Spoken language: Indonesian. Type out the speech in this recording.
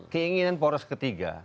keinginan poros ketiga